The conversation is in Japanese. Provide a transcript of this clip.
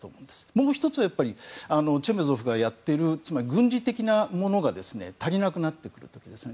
もう１つは、やっぱりチェメゾフがやっている軍事的なものが足りなくなってくるんですね。